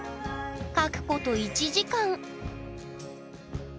描くこと１時間！